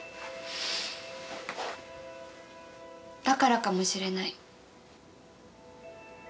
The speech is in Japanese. だからかもしれない。